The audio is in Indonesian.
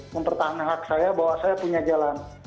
mempertahankan hak saya bahwa saya punya jalan